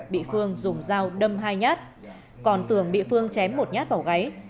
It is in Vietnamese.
bị phương dùng dao đâm hai nhát còn tường bị phương chém một nhát vào gáy